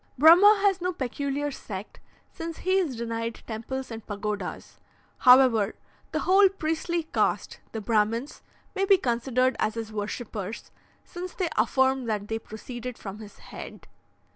Brahma has no peculiar sect, since he is denied temples and pagodas; however, the whole priestly caste the Brahmins may be considered as his worshippers, since they affirm that they proceeded from his head.